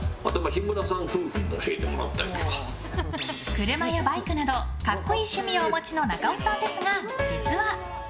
車やバイクなど格好いい趣味をお持ちの中尾さんですが、実は。